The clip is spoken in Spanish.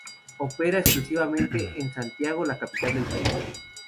Opera exclusivamente en Santiago, la capital del país.